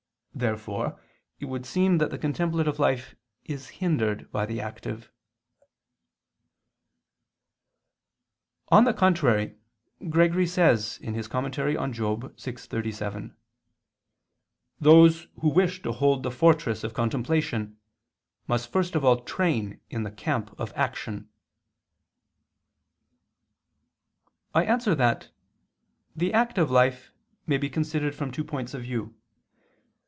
Therefore it would seem that the contemplative life is hindered by the active. On the contrary, Gregory says (Moral. vi, 37): "Those who wish to hold the fortress of contemplation, must first of all train in the camp of action." I answer that, The active life may be considered from two points of view.